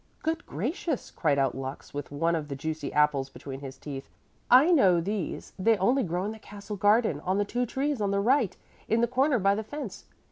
"Good gracious," cried out Lux, with one of the juicy apples between his teeth, "I know these. They only grow in the castle garden, on the two trees on the right, in the corner by the fence.